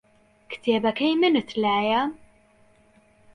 کتێبەکەی منت لایە؟